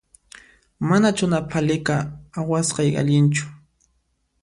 Manachuna phalika awasqay allinchu